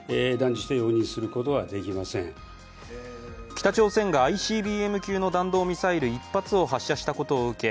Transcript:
北朝鮮がＩＣＢＭ級の弾道ミサイル１発を発射したことを受け